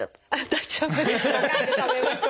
大丈夫です。